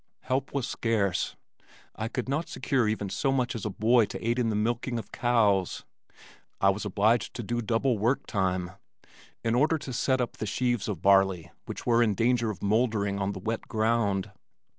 Help was scarce; I could not secure even so much as a boy to aid in milking the cows; I was obliged to work double time in order to set up the sheaves of barley which were in danger of mouldering on the wet ground.